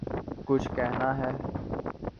کچھ کہنا ہے